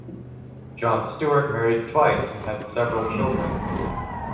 John Stewart married twice and had several children.